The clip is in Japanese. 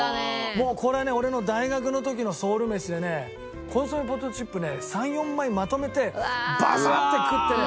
もうこれね俺の大学の時のソウル飯でねコンソメポテトチップね３４枚まとめてバサッて食ってね